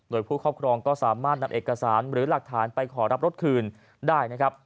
โดยผู้ครอบครองก็สามารถนำเอกสารหรือหลักฐานไปขอรับรถคืนได้นะครับ